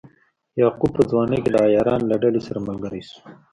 یعقوب په ځوانۍ کې د عیارانو له ډلې سره ملګری شو.